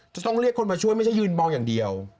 จะต้องเรียกคนมาช่วยไม่ใช่ยืนมองอย่างเดียว